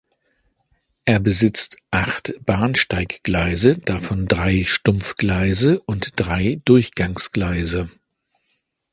Er besitzt acht Bahnsteiggleise, davon drei Stumpfgleise, und drei Durchgangsgleise.